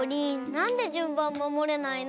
なんでじゅんばんまもれないの？